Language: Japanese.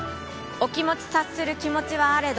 お気持ち察する気持ちはあれど。